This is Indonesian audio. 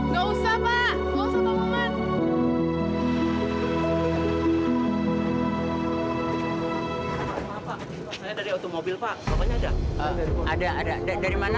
gak usah pak gak usah pak maman